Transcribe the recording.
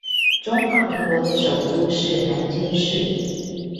中華民國的首都是南京市